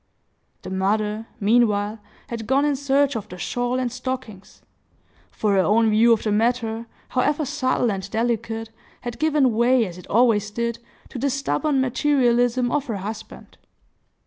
The mother, meanwhile, had gone in search of the shawl and stockings; for her own view of the matter, however subtle and delicate, had given way, as it always did, to the stubborn materialism of her husband.